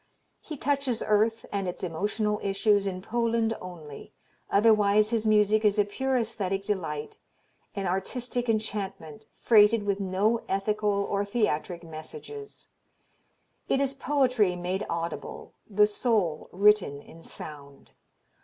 He touches earth and its emotional issues in Poland only; otherwise his music is a pure aesthetic delight, an artistic enchantment, freighted with no ethical or theatric messages. It is poetry made audible, the "soul written in sound."